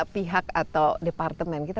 pihak atau departemen kita